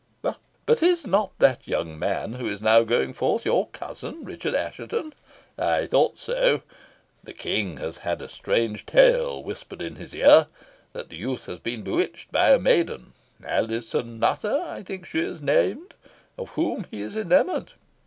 But is not that young man, who is now going forth, your cousin, Richard Assheton? I thought so. The King has had a strange tale whispered in his ear, that the youth has been bewitched by a maiden Alizon Nutter, I think she is named of whom he is enamoured.